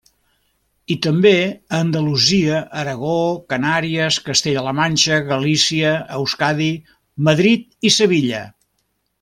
I també a Andalusia, Aragó, Canàries, Castella-La Manxa, Galícia, Euskadi, Madrid i Sevilla.